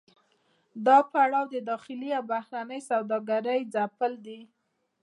دا پړاو د داخلي او بهرنۍ سوداګرۍ ځپل دي